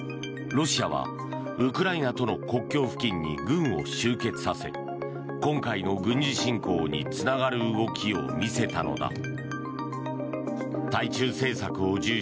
ロシアはウクライナとの国境付近に軍を集結させ今回の軍事侵攻につながる動きを見せたのだ。